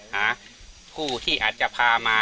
หาผู้ที่อาจจะพามา